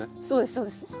そうですそうです。